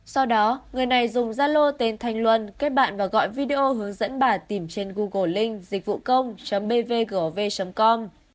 sau đó người này dùng gia lô tên thanh luân kết bạn và gọi video hướng dẫn bà tìm trên google link dịch vụ công bvgov com